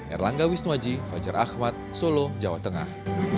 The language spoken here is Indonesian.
erlangga wisnuaji fajar ahmad solo jawa tengah